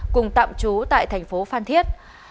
cùng tạm trú tại thành phố phan thiết